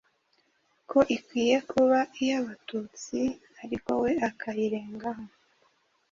ko ikwiye kuba iy'Abatutsi, ariko we akabirengaho.